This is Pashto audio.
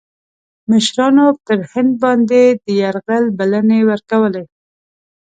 مشـرانو پر هند باندي د یرغل بلني ورکولې.